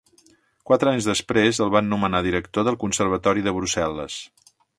Quatre anys després, el van nomenar director del conservatori de Brussel·les.